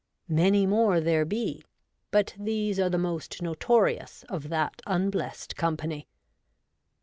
Many more there be, but these are the most notorious of that unblessed company.